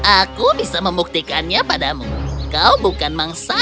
aku bisa membuktikannya padamu kau bukan mangsa